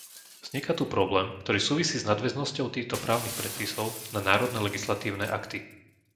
Vzniká tu problém, ktorý súvisí s nadväznosťou týchto právnych predpisov na národné legislatívne akty.